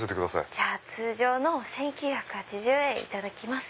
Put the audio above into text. じゃあ通常の１９８０円頂きます。